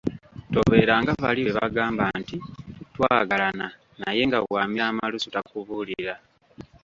Tobeera nga bali be bagamba nti, “Twagalana naye nga bwamira amalusu takubuulira”.